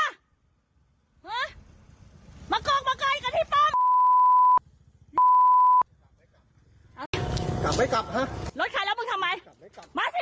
ทำร้ายกูใช่ไม